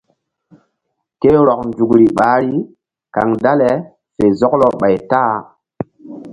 Ke rɔk nzukri ɓahri kaŋ dale fe zɔklɔ ɓay ta-a.